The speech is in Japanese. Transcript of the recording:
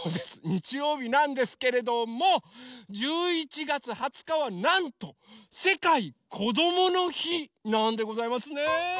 にちようびなんですけれども１１月２０日はなんとせかいこどものひなんでございますね！